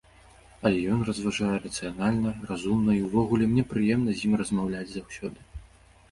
Але ён разважае рацыянальна, разумна і ўвогуле мне прыемна з ім размаўляць заўсёды.